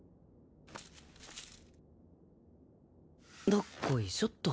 どっこいしょっと。